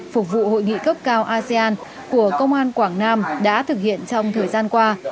phục vụ hội nghị cấp cao asean của công an quảng nam đã thực hiện trong thời gian qua